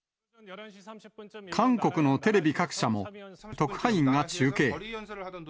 韓国のテレビ各社も特派員が中継。